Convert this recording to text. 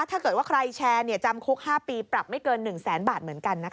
ถ้าเกิดว่าใครแชร์จำคุก๕ปีปรับไม่เกิน๑แสนบาทเหมือนกันนะคะ